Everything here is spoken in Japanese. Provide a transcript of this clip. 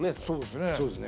そうですね。